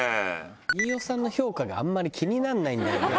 飯尾さんの評価があんまり気になんないんだよな。